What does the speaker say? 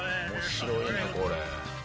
面白いねこれ。